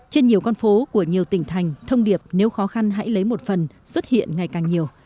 trên nhiều con phố của nhiều tỉnh thành thông điệp nếu khó khăn hãy lấy một phần xuất hiện ngày càng nhiều